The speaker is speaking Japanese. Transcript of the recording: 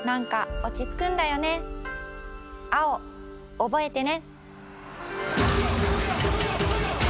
おぼえてね。